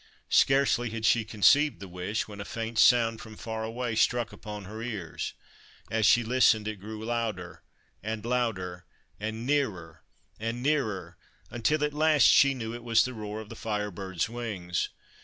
Scarcely had she conceived the wish, when a faint sound from far away struck upon her ears. As she listened, it grew louder and louder, and nearer and nearer, until at last she knew it was the roar of the Fire Bird's wings.